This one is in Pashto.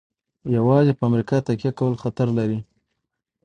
یوازې په امریکا تکیه کول خطر لري.